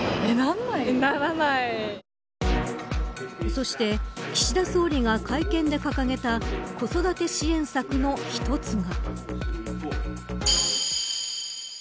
そして岸田総理が会見で掲げた子育て支援策の一つが。